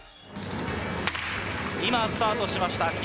今、スタートしました。